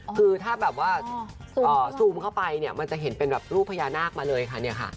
คือถ้าแบบว่าซูมเข้าไปเนี่ยมันจะเห็นเป็นแบบรูปพญานาคมาเลยค่ะเนี่ยค่ะ